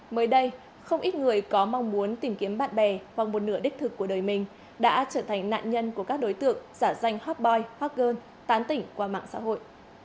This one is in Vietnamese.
mới đây không ít người có mong muốn tìm kiếm bạn bè hoặc một nửa đích thực của đời mình đã trở thành nạn nhân của các đối tượng giả danh hotboy hockger tán tỉnh qua mạng xã hội